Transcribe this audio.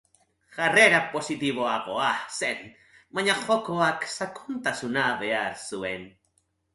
Jarrera positiboagoa zen, baina jokoak sakontasuna behar zuen.